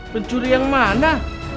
pencuri yang mana